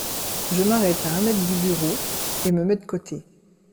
Je m’arrête à un mètre du bureau et me mets de côté.